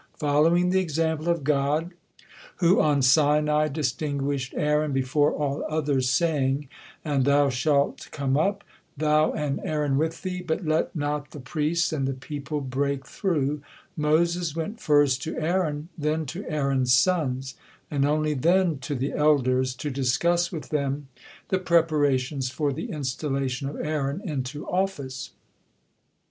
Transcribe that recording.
Following the example of God, who on Sinai distinguished Aaron before all others, saying, "And thou shalt come up, thou and Aaron with thee, but let not the priests and the people break through," Moses went first to Aaron, then to Aaron's sons, and only then to the elders, to discuss with them the preparations for the installation of Aaron into office.